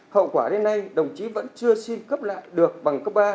hậu quả đến nay đồng chí vẫn chưa xin cấp lại được bằng cấp ba